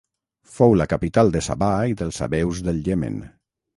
Fou la capital de Sabà i dels sabeus del Iemen.